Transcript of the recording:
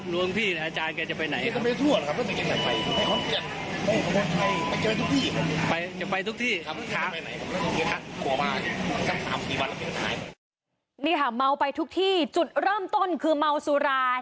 นี่ค่ะเมาไปทุกที่จุดเริ่มต้นคือเมาสุราย